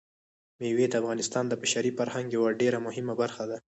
مېوې د افغانستان د بشري فرهنګ یوه ډېره مهمه برخه ده.